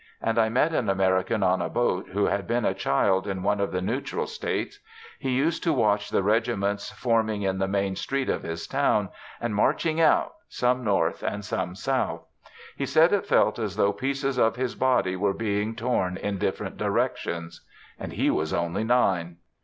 And I met an American on a boat who had been a child in one of the neutral States. He used to watch the regiments forming in the main street of his town, and marching out, some north and some south. He said it felt as though pieces of his body were being torn in different directions. And he was only nine.